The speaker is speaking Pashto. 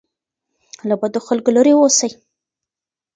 له بدو خلګو لري اوسئ.